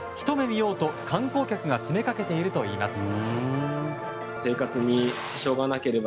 見ようと観光客が詰めかけているといいます。